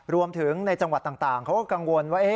รวมถึงในจังหวัดต่างเขาก็กังวลว่า